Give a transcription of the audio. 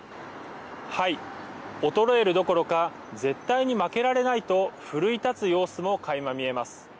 衰えるどころか絶対に負けられないと奮い立つ様子もかいま見えます。